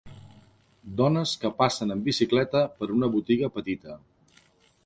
Dones que passen amb bicicleta per una botiga petita.